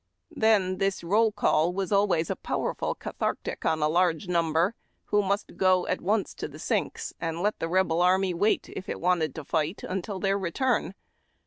Then, this roll call Avas always a powerful cathartic on a large number, who must go at once to the sinks, and let the Rebel army wait, if it wanted to fight, until their return.